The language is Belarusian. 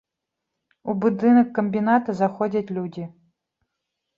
У будынак камбіната заходзяць людзі.